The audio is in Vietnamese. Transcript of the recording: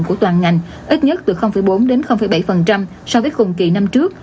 của toàn ngành ít nhất từ bốn đến bảy so với cùng kỳ năm trước